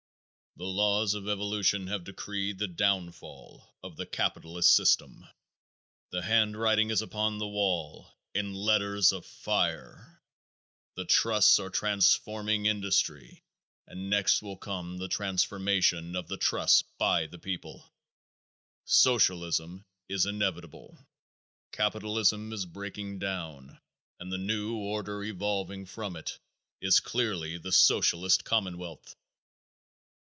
_ The laws of evolution have decreed the downfall of the capitalist system. The handwriting is upon the wall in letters of fire. The trusts are transforming industry and next will come the transformation of the trusts by the people. Socialism is inevitable. Capitalism is breaking down and the new order evolving from it is clearly the Socialist commonwealth.